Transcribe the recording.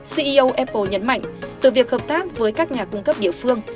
ceo apple nhấn mạnh từ việc hợp tác với các nhà cung cấp địa phương